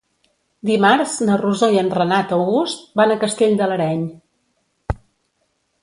Dimarts na Rosó i en Renat August van a Castell de l'Areny.